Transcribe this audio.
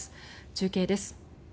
中継です。